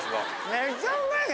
めちゃうまいね。